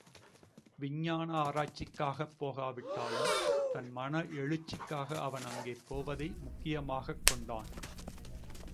விஞ்ஞான ஆராய்ச்சிக்காகப் போகாவிட்டாலும், தன் மன எழுச்சிக்காக அவன் அங்கே போவதை முக்கியமாகக் கொண்டான்.